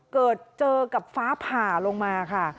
เกิดเจอกับฟ้าผ่าลงมาค่ะ